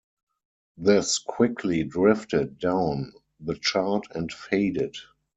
This quickly drifted down the chart and faded.